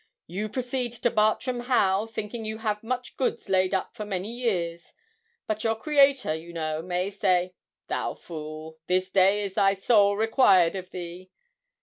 You proceed to Bartram Haugh, thinking you have much goods laid up for many years; but your Creator, you know, may say, "Thou fool, this day is thy soul required of thee."